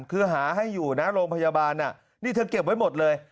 คือหาให้อยู่นะโรงพยาบาลนี่เธอเก็บไว้หมดเลย